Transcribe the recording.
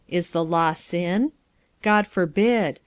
Is the law sin? God forbid.